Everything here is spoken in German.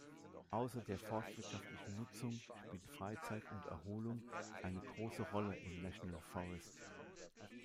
Außer der forstwirtschaftlichen Nutzung spielt Freizeit und Erholung eine große Rolle im National Forest.